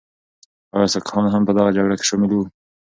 ایا سکهان هم په دغه جګړه کې شامل وو؟